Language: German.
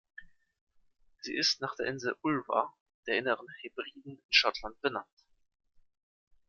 Sie ist nach der Insel Ulva der Inneren Hebriden in Schottland benannt.